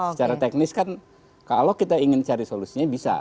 secara teknis kan kalau kita ingin cari solusinya bisa